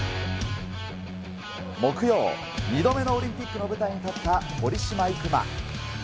木曜、２度目のオリンピックの舞台に立った堀島行真。